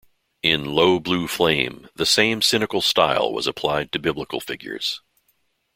In "Low Blue Flame", the same cynical style was applied to biblical figures.